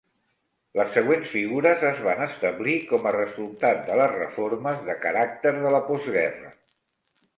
Les següents figures es van establir com a resultat de les reformes de caràcter de la postguerra.